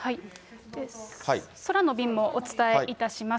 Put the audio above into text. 空の便もお伝えいたします。